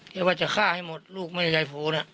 แกว่าจะฆ่าให้หมดลูกแม่ญายโภษนะ